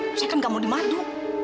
kok saya kan gak mau dimadu